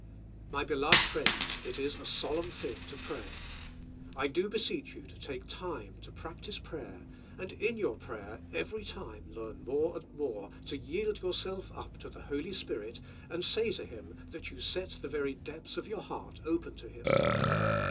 My be loved friends, it is a solemn thing to pray. I do be seech you take time to practice prayer and in your 102 THZ 5?n^:7 7AL LIFE. prayer every time learn more and more to yield your self up to the Holy Spirit and say to Him that you set the very depths of your heart open to Him.